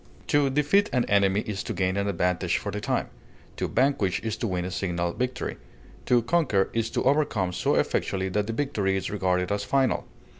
To defeat an enemy is to gain an advantage for the time; to vanquish is to win a signal victory; to conquer is to overcome so effectually that the victory is regarded as final.